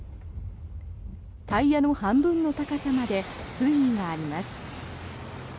タイヤの半分の高さまで水位があります。